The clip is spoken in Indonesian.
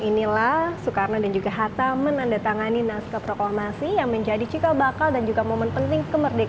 inilah soekarno dan juga hatta menandatangani nasca proklamasi yang menjadi cilabakal dan juga momen